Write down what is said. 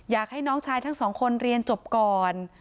อยากให้น้องชายทั้งสองคนเรียนจบก่อน